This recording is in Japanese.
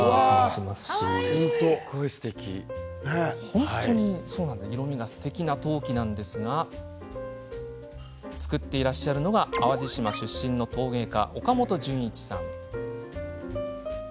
本当に色みがすてきな陶器なんですが作っていらっしゃるのが淡路島出身の陶芸家岡本純一さん。